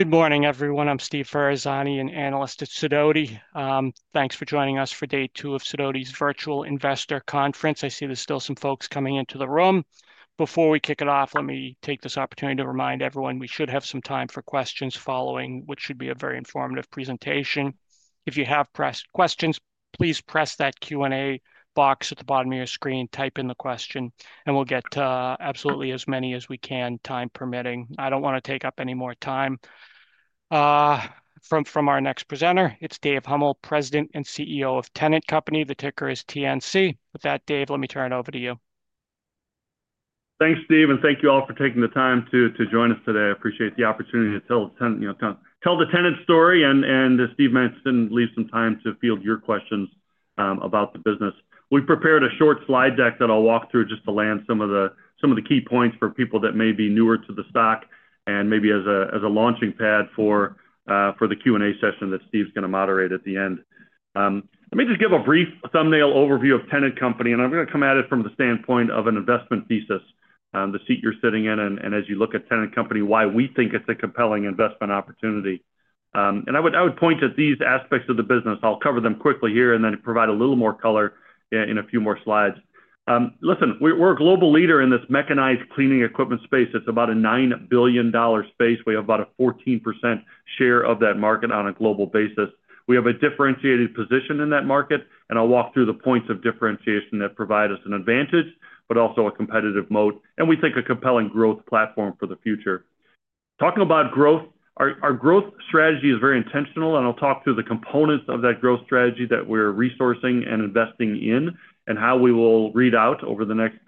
Good morning, everyone. I'm Steve Ferazani, an analyst at Sidoti. Thanks for joining us for day two of Sidoti's virtual investor conference. I see there's still some folks coming into the room. Before we kick it off, let me take this opportunity to remind everyone we should have some time for questions following, which should be a very informative presentation. If you have press questions, please press that Q&A box at the bottom of your screen, type in the question, and we'll get absolutely as many as we can, time permitting. I don't want to take up any more time from our next presenter. It's Dave Huml, President and CEO of Tennant Company. The ticker is TNC. With that, Dave, let me turn it over to you. Thanks, Steve, and thank you all for taking the time to join us today. I appreciate the opportunity to tell the Tennant story and, as Steve mentioned, leave some time to field your questions about the business. We have prepared a short slide deck that I will walk through just to land some of the key points for people that may be newer to the stock and maybe as a launching pad for the Q&A session that Steve is going to moderate at the end. Let me just give a brief thumbnail overview of Tennant Company, and I am going to come at it from the standpoint of an investment thesis, the seat you are sitting in, and as you look at Tennant Company, why we think it is a compelling investment opportunity. I would point to these aspects of the business. I'll cover them quickly here and then provide a little more color in a few more slides. Listen, we're a global leader in this mechanized cleaning equipment space. It's about a $9 billion space. We have about a 14% share of that market on a global basis. We have a differentiated position in that market, and I'll walk through the points of differentiation that provide us an advantage, but also a competitive moat, and we think a compelling growth platform for the future. Talking about growth, our growth strategy is very intentional, and I'll talk through the components of that growth strategy that we're resourcing and investing in and how we will read out over the next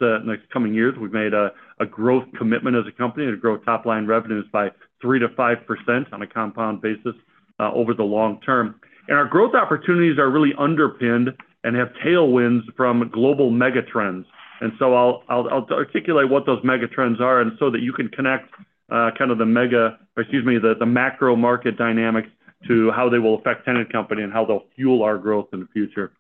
coming years. We've made a growth commitment as a company to grow top-line revenues by 3%-5% on a compound basis over the long term. Our growth opportunities are really underpinned and have tailwinds from global mega trends. I'll articulate what those mega trends are so that you can connect kind of the mega, excuse me, the macro market dynamics to how they will affect Tennant Company and how they'll fuel our growth in the future.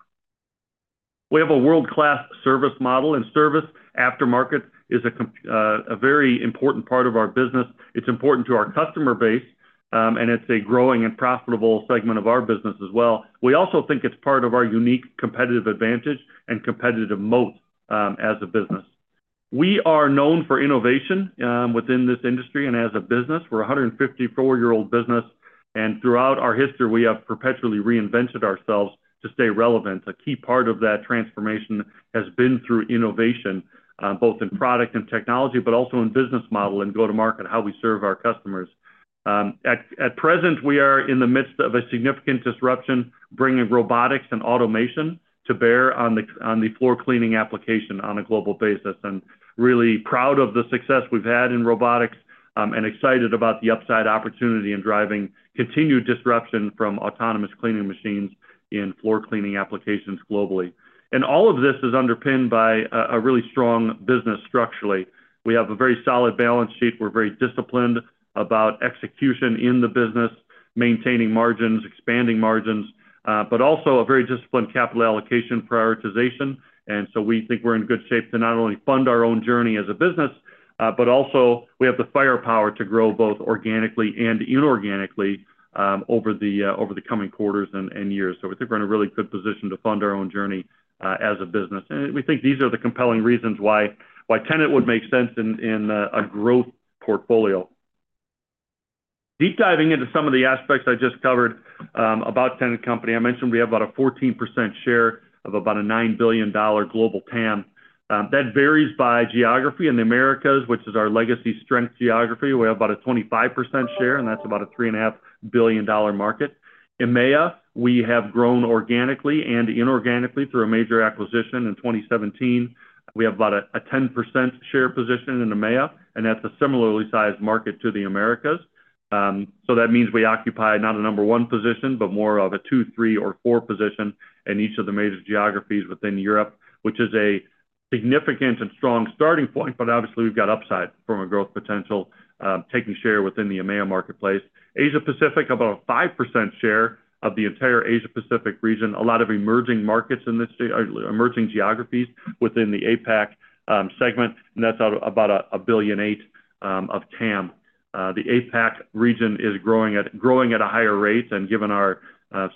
We have a world-class service model, and service after markets is a very important part of our business. It's important to our customer base, and it's a growing and profitable segment of our business as well. We also think it's part of our unique competitive advantage and competitive moat as a business. We are known for innovation within this industry and as a business. We're a 154-year-old business, and throughout our history, we have perpetually reinvented ourselves to stay relevant. A key part of that transformation has been through innovation, both in product and technology, but also in business model and go-to-market, how we serve our customers. At present, we are in the midst of a significant disruption, bringing robotics and automation to bear on the floor cleaning application on a global basis. Really proud of the success we've had in robotics and excited about the upside opportunity in driving continued disruption from autonomous cleaning machines in floor cleaning applications globally. All of this is underpinned by a really strong business structurally. We have a very solid balance sheet. We're very disciplined about execution in the business, maintaining margins, expanding margins, but also a very disciplined capital allocation prioritization. We think we're in good shape to not only fund our own journey as a business, but also we have the firepower to grow both organically and inorganically over the coming quarters and years. We think we're in a really good position to fund our own journey as a business. We think these are the compelling reasons why Tennant would make sense in a growth portfolio. Deep diving into some of the aspects I just covered about Tennant Company, I mentioned we have about a 14% share of about a $9 billion global TAM. That varies by geography. In the Americas, which is our legacy strength geography, we have about a 25% share, and that's about a $3.5 billion market. In EMEA, we have grown organically and inorganically through a major acquisition in 2017. We have about a 10% share position in EMEA, and that's a similarly sized market to the Americas. That means we occupy not a number one position, but more of a two, three, or four position in each of the major geographies within Europe, which is a significant and strong starting point, but obviously we've got upside from a growth potential taking share within the EMEA marketplace. Asia-Pacific, about a 5% share of the entire Asia-Pacific region, a lot of emerging markets in these geographies within the APAC segment, and that's about $1.8 billion of TAM. The APAC region is growing at a higher rate and given our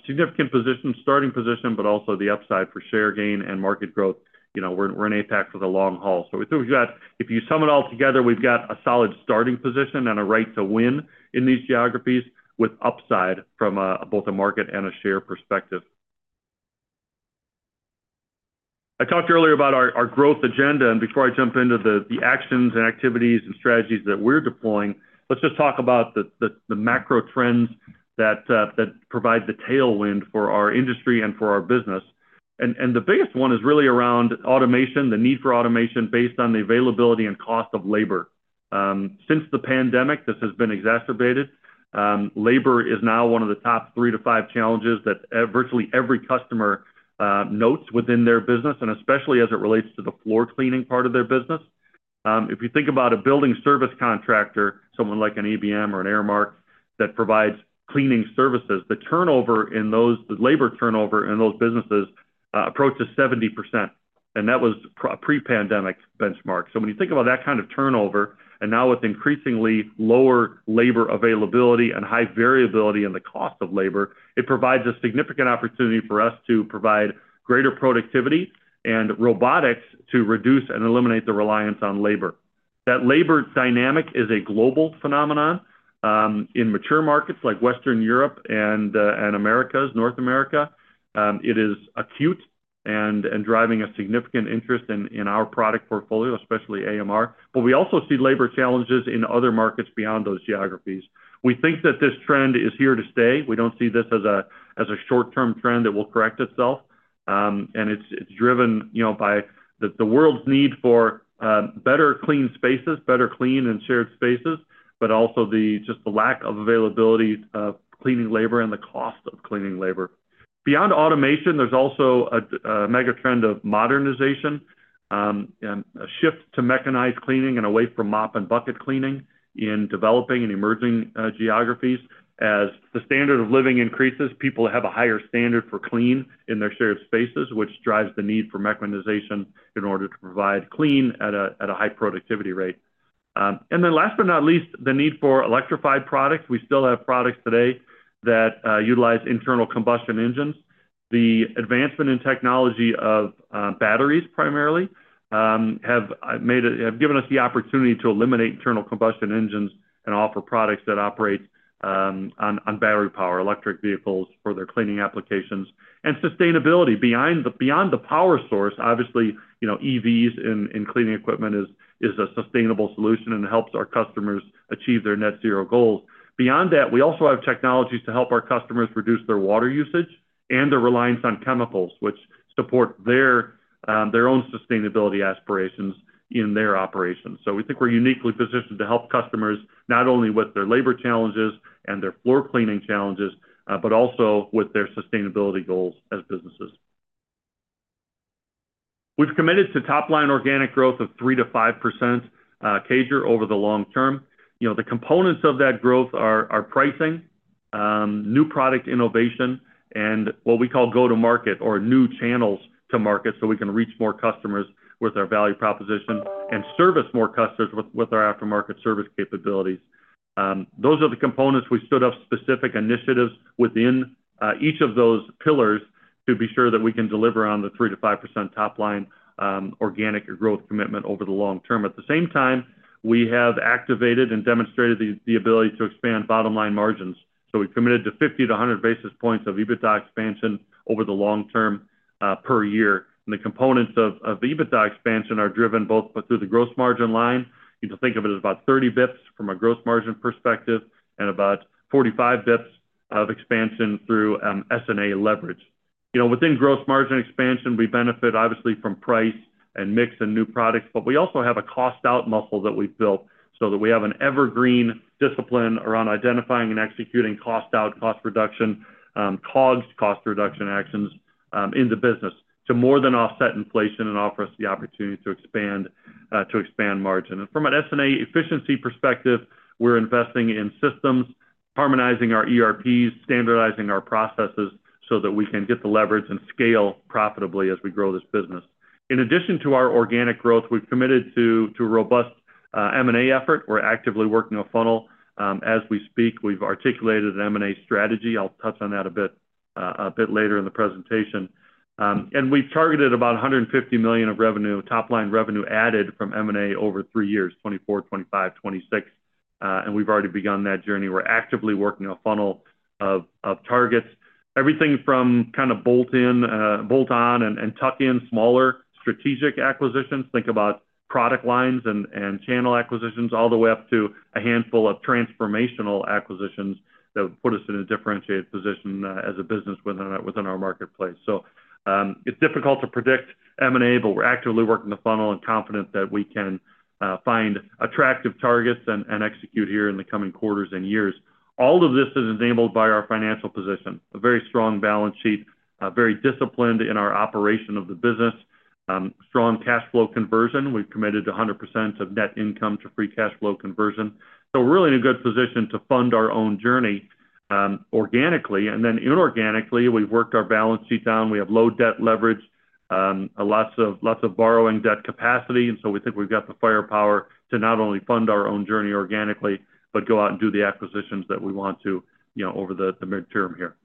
significant starting position, but also the upside for share gain and market growth. We're in APAC for the long haul. If you sum it all together, we've got a solid starting position and a right to win in these geographies with upside from both a market and a share perspective. I talked earlier about our growth agenda, and before I jump into the actions and activities and strategies that we're deploying, let's just talk about the macro trends that provide the tailwind for our industry and for our business. The biggest one is really around automation, the need for automation based on the availability and cost of labor. Since the pandemic, this has been exacerbated. Labor is now one of the top three to five challenges that virtually every customer notes within their business, and especially as it relates to the floor cleaning part of their business. If you think about a building service contractor, someone like an ABM or an Aramark that provides cleaning services, the turnover in those labor turnover in those businesses approaches 70%. That was a pre-pandemic benchmark. When you think about that kind of turnover, and now with increasingly lower labor availability and high variability in the cost of labor, it provides a significant opportunity for us to provide greater productivity and robotics to reduce and eliminate the reliance on labor. That labor dynamic is a global phenomenon in mature markets like Western Europe and Americas, North America. It is acute and driving a significant interest in our product portfolio, especially AMR. We also see labor challenges in other markets beyond those geographies. We think that this trend is here to stay. We do not see this as a short-term trend that will correct itself. It is driven by the world's need for better clean spaces, better clean and shared spaces, but also just the lack of availability of cleaning labor and the cost of cleaning labor. Beyond automation, there is also a mega trend of modernization, a shift to mechanized cleaning and away from mop and bucket cleaning in developing and emerging geographies. As the standard of living increases, people have a higher standard for clean in their shared spaces, which drives the need for mechanization in order to provide clean at a high productivity rate. Last but not least, the need for electrified products. We still have products today that utilize internal combustion engines. The advancement in technology of batteries primarily has given us the opportunity to eliminate internal combustion engines and offer products that operate on battery power electric vehicles for their cleaning applications. Sustainability beyond the power source, obviously EVs in cleaning equipment is a sustainable solution and helps our customers achieve their net zero goals. Beyond that, we also have technologies to help our customers reduce their water usage and their reliance on chemicals, which support their own sustainability aspirations in their operations. We think we're uniquely positioned to help customers not only with their labor challenges and their floor cleaning challenges, but also with their sustainability goals as businesses. We've committed to top-line organic growth of 3%-5%, over the long term. The components of that growth are pricing, new product innovation, and what we call go-to-market or new channels to market so we can reach more customers with our value proposition and service more customers with our aftermarket service capabilities. Those are the components. We stood up specific initiatives within each of those pillars to be sure that we can deliver on the 3%-5% top-line organic growth commitment over the long term. At the same time, we have activated and demonstrated the ability to expand bottom-line margins. We committed to 50-100 basis points of EBITDA expansion over the long term per year. The components of EBITDA expansion are driven both through the gross margin line. You can think of it as about 30 bips from a gross margin perspective and about 45 bips of expansion through S&A leverage. Within gross margin expansion, we benefit obviously from price and mix and new products, but we also have a cost-out muscle that we've built so that we have an evergreen discipline around identifying and executing cost-out, cost-reduction, COGS, cost-reduction actions in the business to more than offset inflation and offer us the opportunity to expand margin. From an S&A efficiency perspective, we're investing in systems, harmonizing our ERPs, standardizing our processes so that we can get the leverage and scale profitably as we grow this business. In addition to our organic growth, we've committed to a robust M&A effort. We're actively working a funnel as we speak. We've articulated an M&A strategy. I'll touch on that a bit later in the presentation. We've targeted about $150 million of revenue, top-line revenue added from M&A over three years, 2024, 2025, 2026, and we've already begun that journey. We're actively working a funnel of targets. Everything from kind of bolt-on and tuck-in smaller strategic acquisitions, think about product lines and channel acquisitions, all the way up to a handful of transformational acquisitions that would put us in a differentiated position as a business within our marketplace. It is difficult to predict M&A, but we're actively working the funnel and confident that we can find attractive targets and execute here in the coming quarters and years. All of this is enabled by our financial position, a very strong balance sheet, very disciplined in our operation of the business, strong cash flow conversion. We've committed to 100% of net income to free cash flow conversion. We're really in a good position to fund our own journey organically. Inorganically, we've worked our balance sheet down. We have low debt leverage, lots of borrowing debt capacity. We think we've got the firepower to not only fund our own journey organically, but go out and do the acquisitions that we want to over the midterm here.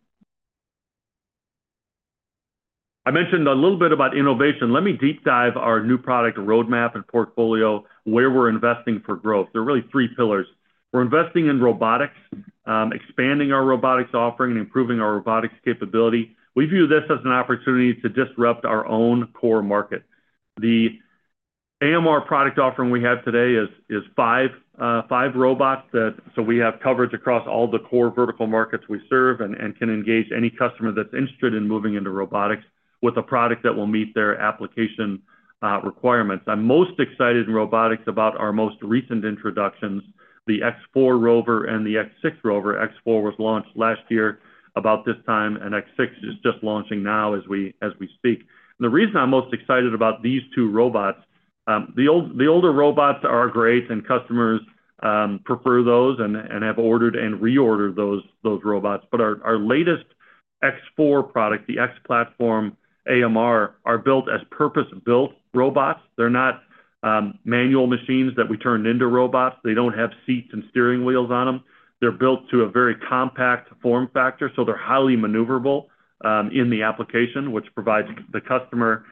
I mentioned a little bit about innovation. Let me deep dive our new product roadmap and portfolio, where we're investing for growth. There are really three pillars. We're investing in robotics, expanding our robotics offering, and improving our robotics capability. We view this as an opportunity to disrupt our own core market. The AMR product offering we have today is five robots. We have coverage across all the core vertical markets we serve and can engage any customer that's interested in moving into robotics with a product that will meet their application requirements. I'm most excited in robotics about our most recent introductions, the X4 ROVR and the X6 ROVR. X4 was launched last year about this time, and X6 is just launching now as we speak. The reason I'm most excited about these two robots, the older robots are great and customers prefer those and have ordered and reordered those robots. Our latest X4 product, the X platform AMR, are built as purpose-built robots. They're not manual machines that we turned into robots. They don't have seats and steering wheels on them. They're built to a very compact form factor, so they're highly maneuverable in the application, which provides the customer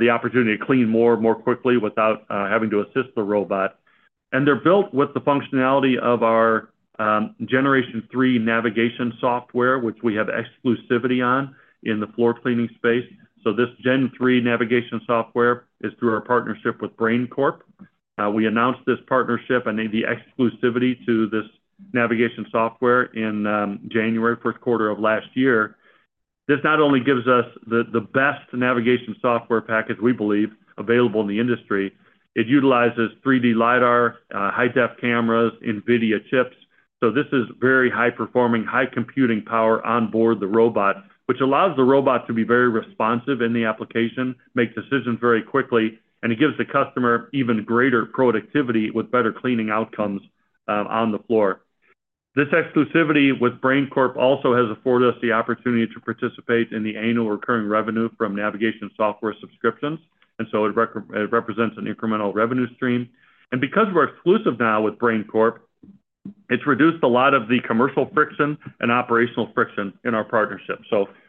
the opportunity to clean more and more quickly without having to assist the robot. They're built with the functionality of our Generation 3 navigation software, which we have exclusivity on in the floor cleaning space. This Gen 3 navigation software is through our partnership with Brain Corp. We announced this partnership and the exclusivity to this navigation software in January, first quarter of last year. This not only gives us the best navigation software package, we believe, available in the industry. It utilizes 3D LiDAR, high-def cameras, NVIDIA chips. This is very high-performing, high-computing power onboard the robot, which allows the robot to be very responsive in the application, make decisions very quickly, and it gives the customer even greater productivity with better cleaning outcomes on the floor. This exclusivity with Brain Corp also has afforded us the opportunity to participate in the annual recurring revenue from navigation software subscriptions. It represents an incremental revenue stream. Because we are exclusive now with Brain Corp, it has reduced a lot of the commercial friction and operational friction in our partnership.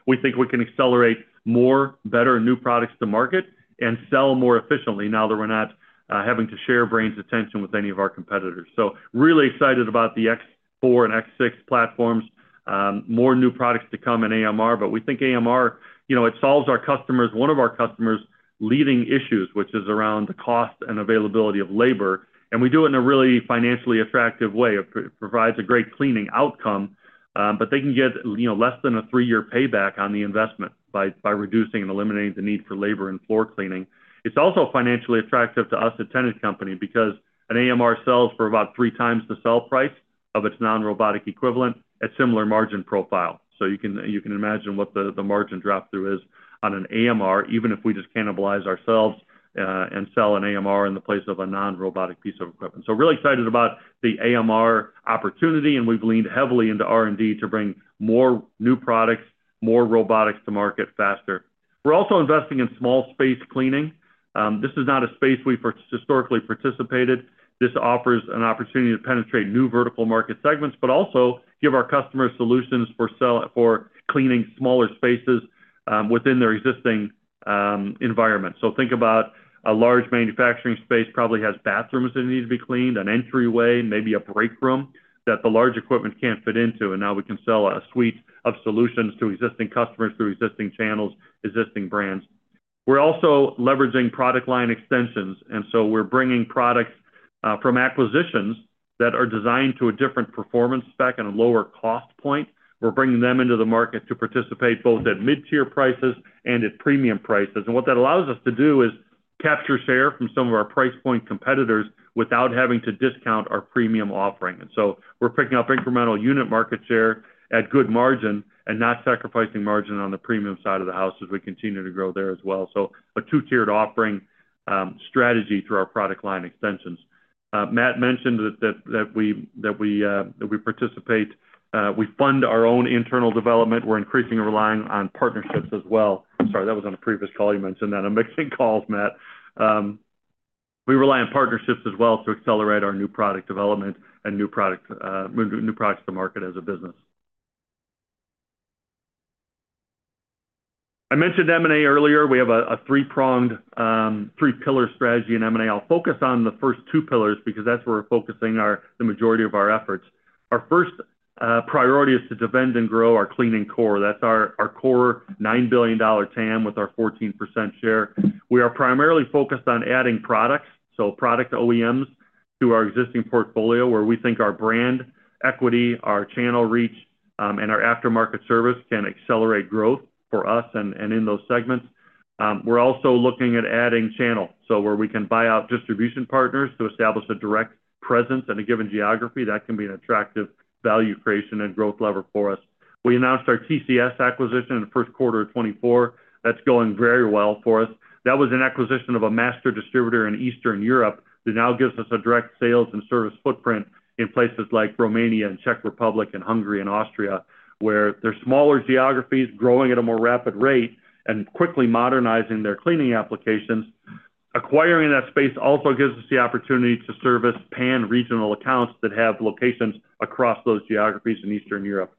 We think we can accelerate more, better new products to market and sell more efficiently now that we're not having to share Brain's attention with any of our competitors. Really excited about the X4 and X6 platforms, more new products to come in AMR, but we think AMR, it solves one of our customers' leading issues, which is around the cost and availability of labor. We do it in a really financially attractive way. It provides a great cleaning outcome, but they can get less than a three-year payback on the investment by reducing and eliminating the need for labor in floor cleaning. It's also financially attractive to us at Tennant Company because an AMR sells for about three times the sell price of its non-robotic equivalent at similar margin profile. You can imagine what the margin drop-through is on an AMR, even if we just cannibalize ourselves and sell an AMR in the place of a non-robotic piece of equipment. We're really excited about the AMR opportunity, and we've leaned heavily into R&D to bring more new products, more robotics to market faster. We're also investing in small space cleaning. This is not a space we've historically participated. This offers an opportunity to penetrate new vertical market segments, but also give our customers solutions for cleaning smaller spaces within their existing environment. Think about a large manufacturing space probably has bathrooms that need to be cleaned, an entryway, maybe a break room that the large equipment can't fit into, and now we can sell a suite of solutions to existing customers through existing channels, existing brands. We're also leveraging product line extensions. We are bringing products from acquisitions that are designed to a different performance spec and a lower cost point. We are bringing them into the market to participate both at mid-tier prices and at premium prices. What that allows us to do is capture share from some of our price point competitors without having to discount our premium offering. We are picking up incremental unit market share at good margin and not sacrificing margin on the premium side of the house as we continue to grow there as well. A two-tiered offering strategy through our product line extensions. Matt mentioned that we participate. We fund our own internal development. We are increasingly relying on partnerships as well. Sorry, that was on a previous call. You mentioned that. I am mixing calls, Matt. We rely on partnerships as well to accelerate our new product development and new products to market as a business. I mentioned M&A earlier. We have a three-pronged, three-pillar strategy in M&A. I'll focus on the first two pillars because that's where we're focusing the majority of our efforts. Our first priority is to defend and grow our cleaning core. That's our core $9 billion TAM with our 14% share. We are primarily focused on adding products, so product OEMs to our existing portfolio where we think our brand equity, our channel reach, and our aftermarket service can accelerate growth for us and in those segments. We're also looking at adding channel, so where we can buy out distribution partners to establish a direct presence in a given geography. That can be an attractive value creation and growth lever for us. We announced our TCS acquisition in the first quarter of 2024. That's going very well for us. That was an acquisition of a master distributor in Eastern Europe that now gives us a direct sales and service footprint in places like Romania and Czech Republic and Hungary and Austria, where they're smaller geographies growing at a more rapid rate and quickly modernizing their cleaning applications. Acquiring that space also gives us the opportunity to service pan-regional accounts that have locations across those geographies in Eastern Europe.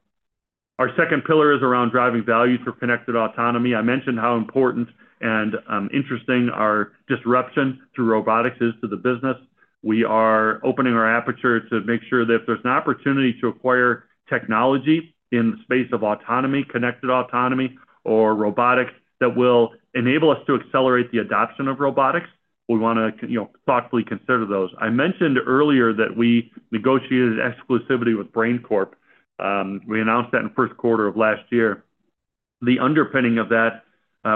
Our second pillar is around driving value through connected autonomy. I mentioned how important and interesting our disruption through robotics is to the business. We are opening our aperture to make sure that if there's an opportunity to acquire technology in the space of autonomy, connected autonomy, or robotics that will enable us to accelerate the adoption of robotics, we want to thoughtfully consider those. I mentioned earlier that we negotiated exclusivity with Brain Corp. We announced that in the first quarter of last year. The underpinning of that,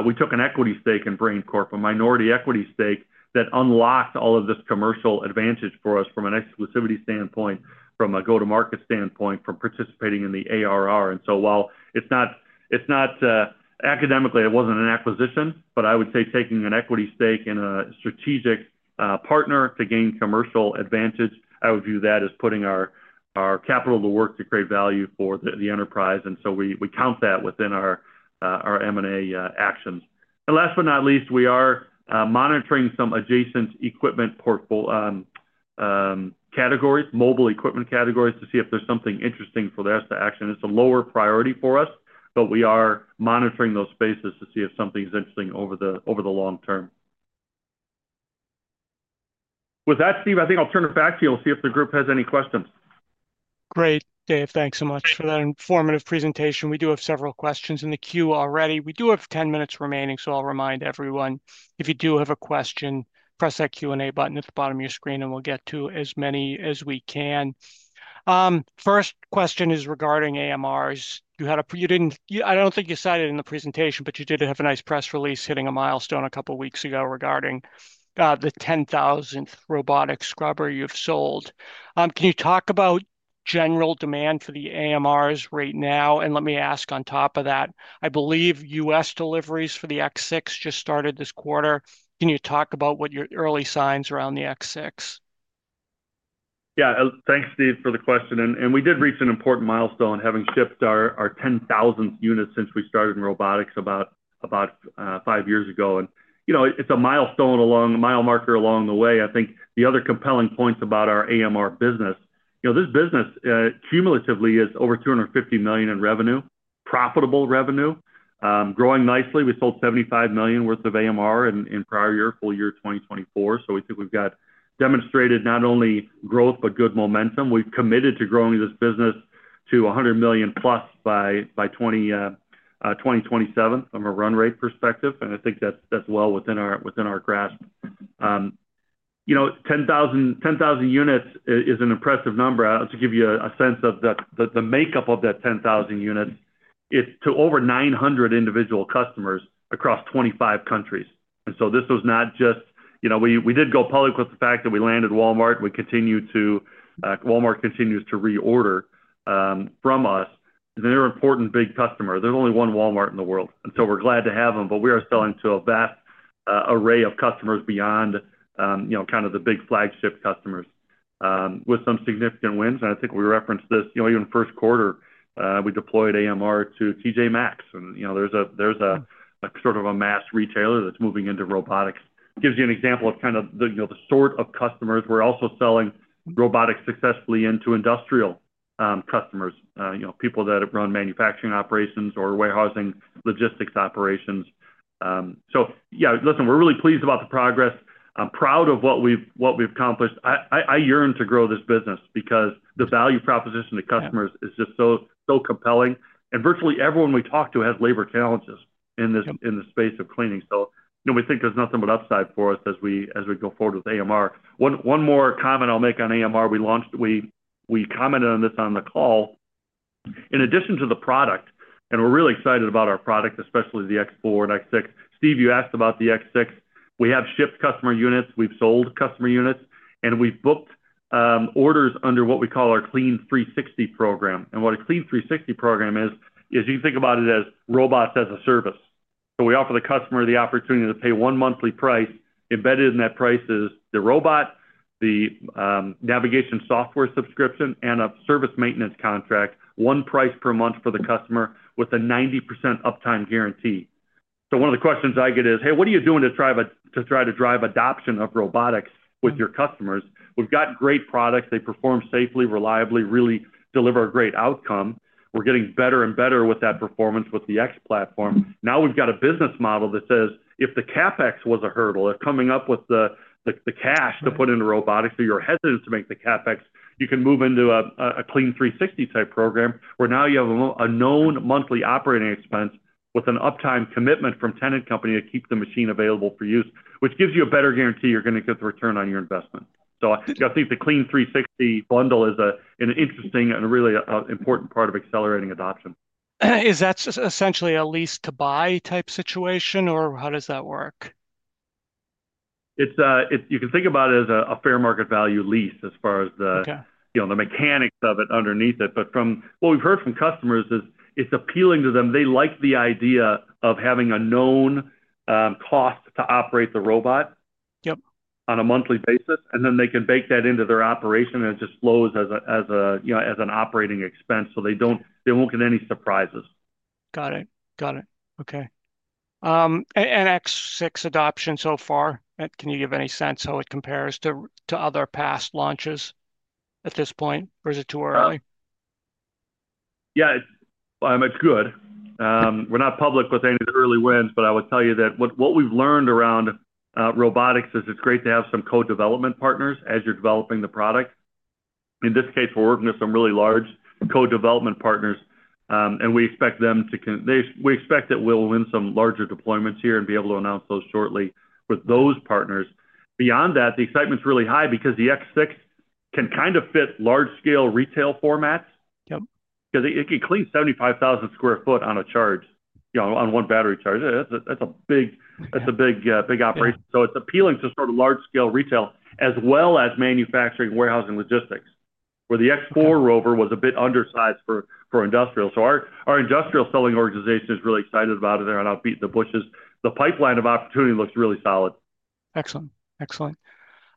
we took an equity stake in Brain Corp, a minority equity stake that unlocked all of this commercial advantage for us from an exclusivity standpoint, from a go-to-market standpoint, from participating in the ARR. While it's not academically, it wasn't an acquisition, but I would say taking an equity stake in a strategic partner to gain commercial advantage, I would view that as putting our capital to work to create value for the enterprise. We count that within our M&A actions. Last but not least, we are monitoring some adjacent equipment categories, mobile equipment categories to see if there's something interesting for us to action. It's a lower priority for us, but we are monitoring those spaces to see if something's interesting over the long term. With that, Steve, I think I'll turn it back to you. I'll see if the group has any questions. Great. Dave, thanks so much for that informative presentation. We do have several questions in the queue already. We do have 10 minutes remaining, so I'll remind everyone. If you do have a question, press that Q&A button at the bottom of your screen, and we'll get to as many as we can. First question is regarding AMRs. You had a—I don't think you said it in the presentation, but you did have a nice press release hitting a milestone a couple of weeks ago regarding the 10,000th robotic scrubber you've sold. Can you talk about general demand for the AMRs right now? Let me ask on top of that, I believe U.S. deliveries for the X6 just started this quarter. Can you talk about what your early signs are on the X6? Yeah. Thanks, Steve, for the question. We did reach an important milestone in having shipped our 10,000th unit since we started in robotics about five years ago. It is a milestone along the mile marker along the way. I think the other compelling points about our AMR business, this business cumulatively is over $250 million in revenue, profitable revenue, growing nicely. We sold $75 million worth of AMR in prior year, full year 2024. We think we have demonstrated not only growth, but good momentum. We have committed to growing this business to $100 million plus by 2027 from a run rate perspective. I think that is well within our grasp. 10,000 units is an impressive number. To give you a sense of the makeup of that 10,000 units, it is to over 900 individual customers across 25 countries. This was not just—we did go public with the fact that we landed Walmart. Walmart continues to reorder from us. They're an important big customer. There's only one Walmart in the world. We are glad to have them, but we are selling to a vast array of customers beyond kind of the big flagship customers with some significant wins. I think we referenced this even first quarter, we deployed AMR to T.J. Maxx. There's a sort of a mass retailer that's moving into robotics. Gives you an example of kind of the sort of customers. We're also selling robotics successfully into industrial customers, people that run manufacturing operations or warehousing logistics operations. Yeah, listen, we're really pleased about the progress. I'm proud of what we've accomplished. I yearn to grow this business because the value proposition to customers is just so compelling. Virtually everyone we talk to has labor challenges in the space of cleaning. We think there is nothing but upside for us as we go forward with AMR. One more comment I will make on AMR. We commented on this on the call. In addition to the product, and we are really excited about our product, especially the X4 and X6. Steve, you asked about the X6. We have shipped customer units. We have sold customer units. We have booked orders under what we call our Clean 360 program. What a Clean 360 program is, is you can think about it as robots as a service. We offer the customer the opportunity to pay one monthly price. Embedded in that price is the robot, the navigation software subscription, and a service maintenance contract, one price per month for the customer with a 90% uptime guarantee. One of the questions I get is, "Hey, what are you doing to try to drive adoption of robotics with your customers?" We've got great products. They perform safely, reliably, really deliver a great outcome. We're getting better and better with that performance with the X platform. Now we've got a business model that says, "If the CapEx was a hurdle, if coming up with the cash to put into robotics or you're hesitant to make the CapEx, you can move into a Clean 360 type program where now you have a known monthly operating expense with an uptime commitment from Tennant Company to keep the machine available for use, which gives you a better guarantee you're going to get the return on your investment." I think the Clean 360 bundle is an interesting and really important part of accelerating adoption. Is that essentially a lease-to-buy type situation, or how does that work? You can think about it as a fair market value lease as far as the mechanics of it underneath it. What we've heard from customers is it's appealing to them. They like the idea of having a known cost to operate the robot on a monthly basis. They can bake that into their operation, and it just flows as an operating expense. They won't get any surprises. Got it. Got it. Okay. And X6 adoption so far, can you give any sense how it compares to other past launches at this point, or is it too early? Yeah. It's good. We're not public with any of the early wins, but I will tell you that what we've learned around robotics is it's great to have some co-development partners as you're developing the product. In this case, we're working with some really large co-development partners, and we expect them to—we expect that we'll win some larger deployments here and be able to announce those shortly with those partners. Beyond that, the excitement's really high because the X6 can kind of fit large-scale retail formats because it can clean 75,000 sq ft on a charge, on one battery charge. That's a big operation. It's appealing to sort of large-scale retail as well as manufacturing, warehousing, logistics, where the X4 ROVR was a bit undersized for industrial. Our industrial selling organization is really excited about it. They're on out beating the bushes. The pipeline of opportunity looks really solid. Excellent. Excellent.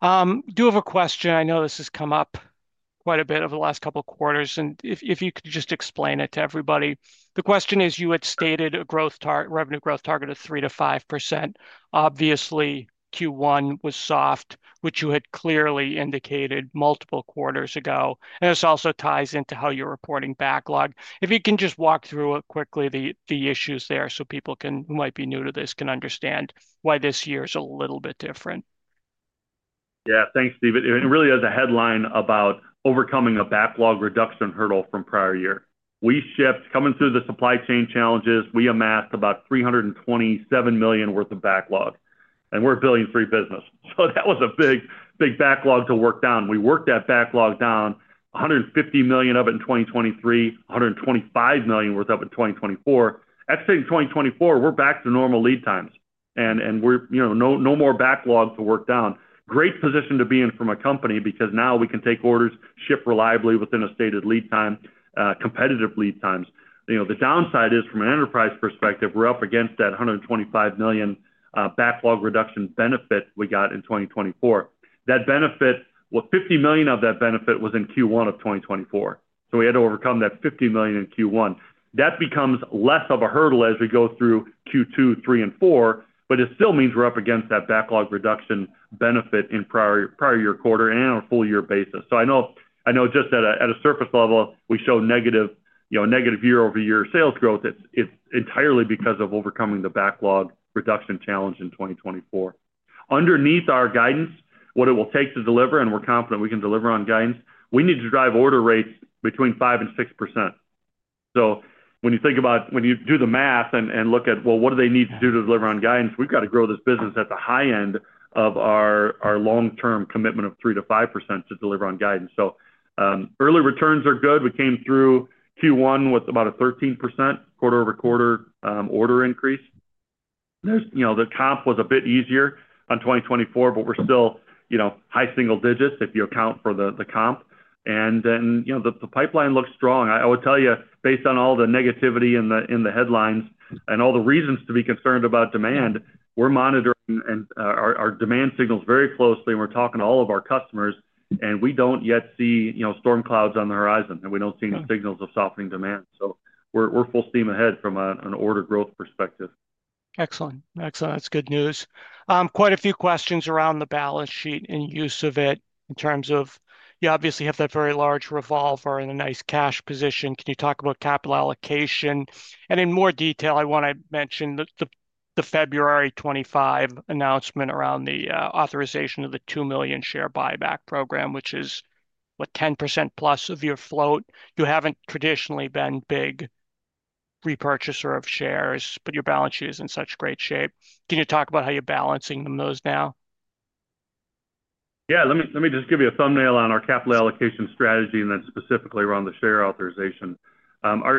I do have a question. I know this has come up quite a bit over the last couple of quarters. If you could just explain it to everybody. The question is, you had stated a revenue growth target of 3-5%. Obviously, Q1 was soft, which you had clearly indicated multiple quarters ago. This also ties into how you're reporting backlog. If you can just walk through it quickly, the issues there so people who might be new to this can understand why this year is a little bit different. Yeah. Thanks, Steve. It really is a headline about overcoming a backlog reduction hurdle from prior year. We shipped coming through the supply chain challenges. We amassed about $327 million worth of backlog, and we're a billion-free business. So that was a big backlog to work down. We worked that backlog down, $150 million of it in 2023, $125 million worth of it in 2024. Exiting 2024, we're back to normal lead times. And no more backlog to work down. Great position to be in from a company because now we can take orders, ship reliably within a stated lead time, competitive lead times. The downside is from an enterprise perspective, we're up against that $125 million backlog reduction benefit we got in 2024. That benefit, well, $50 million of that benefit was in Q1 of 2024. So we had to overcome that $50 million in Q1. That becomes less of a hurdle as we go through Q2, 3, and 4, but it still means we're up against that backlog reduction benefit in prior year quarter and on a full year basis. I know just at a surface level, we show negative year-over-year sales growth. It's entirely because of overcoming the backlog reduction challenge in 2024. Underneath our guidance, what it will take to deliver, and we're confident we can deliver on guidance, we need to drive order rates between 5-6%. When you think about, when you do the math and look at, well, what do they need to do to deliver on guidance? We've got to grow this business at the high end of our long-term commitment of 3-5% to deliver on guidance. Early returns are good. We came through Q1 with about a 13% quarter-over-quarter order increase. The comp was a bit easier on 2024, but we're still high single digits if you account for the comp. The pipeline looks strong. I will tell you, based on all the negativity in the headlines and all the reasons to be concerned about demand, we're monitoring our demand signals very closely. We're talking to all of our customers, and we don't yet see storm clouds on the horizon. We don't see any signals of softening demand. We're full steam ahead from an order growth perspective. Excellent. Excellent. That's good news. Quite a few questions around the balance sheet and use of it in terms of you obviously have that very large revolver and a nice cash position. Can you talk about capital allocation? In more detail, I want to mention the February 25 announcement around the authorization of the 2 million share buyback program, which is, what, 10% plus of your float. You haven't traditionally been a big repurchaser of shares, but your balance sheet is in such great shape. Can you talk about how you're balancing those now? Yeah. Let me just give you a thumbnail on our capital allocation strategy and then specifically around the share authorization.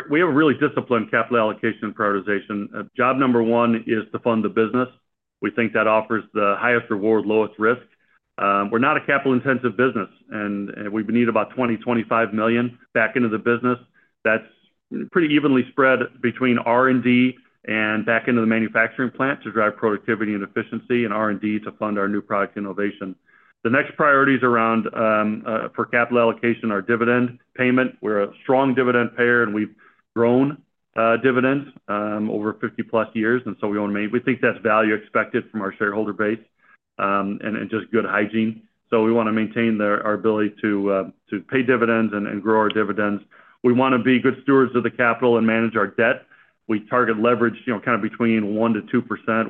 We have a really disciplined capital allocation prioritization. Job number one is to fund the business. We think that offers the highest reward, lowest risk. We're not a capital-intensive business, and we need about $20 million-$25 million back into the business. That's pretty evenly spread between R&D and back into the manufacturing plant to drive productivity and efficiency and R&D to fund our new product innovation. The next priorities around for capital allocation are dividend payment. We're a strong dividend payer, and we've grown dividends over 50-plus years. We think that's value expected from our shareholder base and just good hygiene. We want to maintain our ability to pay dividends and grow our dividends. We want to be good stewards of the capital and manage our debt. We target leverage kind of between 1%-2%,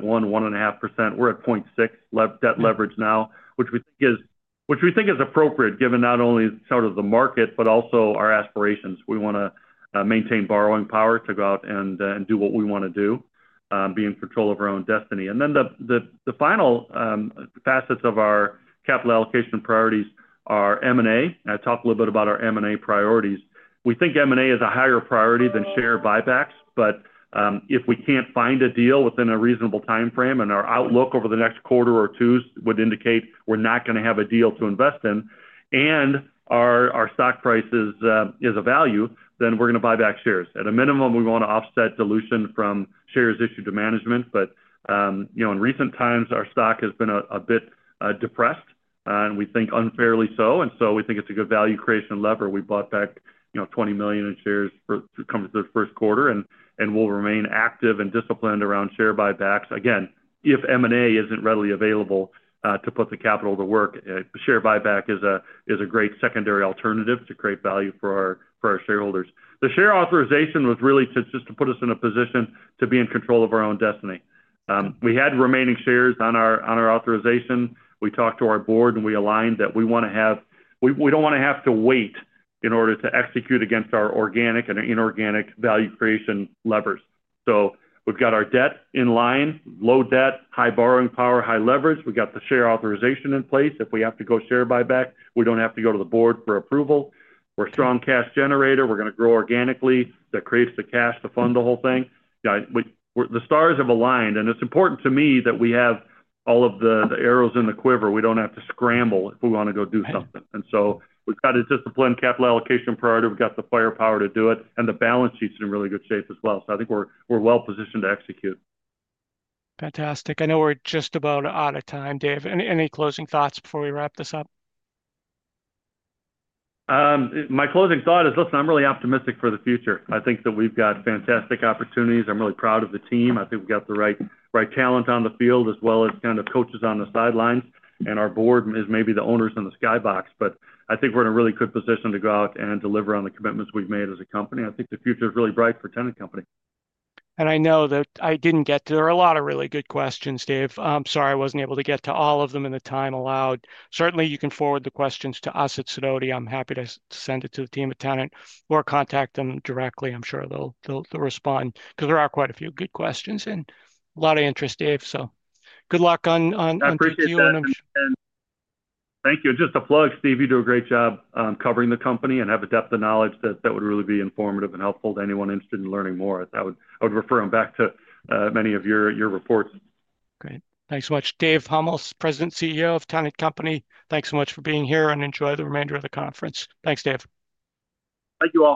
1%, 1.5%. We're at 0.6 debt leverage now, which we think is appropriate given not only sort of the market, but also our aspirations. We want to maintain borrowing power to go out and do what we want to do, be in control of our own destiny. The final facets of our capital allocation priorities are M&A. I talked a little bit about our M&A priorities. We think M&A is a higher priority than share buybacks, but if we can't find a deal within a reasonable timeframe and our outlook over the next quarter or two would indicate we're not going to have a deal to invest in and our stock price is a value, then we're going to buy back shares. At a minimum, we want to offset dilution from shares issued to management. In recent times, our stock has been a bit depressed, and we think unfairly so. We think it's a good value creation lever. We bought back $20 million in shares through the first quarter and will remain active and disciplined around share buybacks. Again, if M&A isn't readily available to put the capital to work, share buyback is a great secondary alternative. It's a great value for our shareholders. The share authorization was really just to put us in a position to be in control of our own destiny. We had remaining shares on our authorization. We talked to our board, and we aligned that we want to have—we don't want to have to wait in order to execute against our organic and inorganic value creation levers. We've got our debt in line, low debt, high borrowing power, high leverage. We've got the share authorization in place. If we have to go share buyback, we don't have to go to the board for approval. We're a strong cash generator. We're going to grow organically. That creates the cash to fund the whole thing. The stars have aligned, and it's important to me that we have all of the arrows in the quiver. We don't have to scramble if we want to go do something. We've got a disciplined capital allocation priority. We've got the firepower to do it, and the balance sheet's in really good shape as well. I think we're well positioned to execute. Fantastic. I know we're just about out of time, Dave. Any closing thoughts before we wrap this up? My closing thought is, listen, I'm really optimistic for the future. I think that we've got fantastic opportunities. I'm really proud of the team. I think we've got the right talent on the field as well as kind of coaches on the sidelines. Our board is maybe the owners in the skybox, but I think we're in a really good position to go out and deliver on the commitments we've made as a company. I think the future is really bright for Tennant Company. I know that I didn't get to—there are a lot of really good questions, Dave. I'm sorry I wasn't able to get to all of them in the time allowed. Certainly, you can forward the questions to us at Sidoti. I'm happy to send it to the team at Tennant or contact them directly. I'm sure they'll respond because there are quite a few good questions and a lot of interest, Dave. Good luck on Q1. Thank you. Just a plug, Steve. You do a great job covering the company and have a depth of knowledge that would really be informative and helpful to anyone interested in learning more. I would refer them back to many of your reports. Great. Thanks so much. Dave Huml, President CEO of Tennant Company. Thanks so much for being here, and enjoy the remainder of the conference. Thanks, Dave. Thank you all.